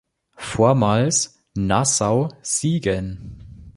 Vormals Nassau-Siegen.